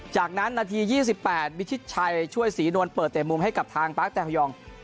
จากนั้นนาที๒๘วิชิตชัยช่วยศรีนวลเปิดเตะมุมให้กับทางปาร์คแตฮยอง